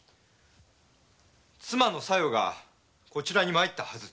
妻の小夜がこちらへ参ったはず。